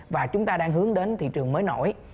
và chúng ta đang hướng đến thị trường mới nổi